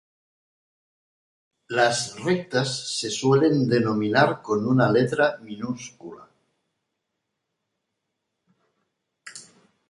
Las rectas se suelen denominar con una letra minúscula.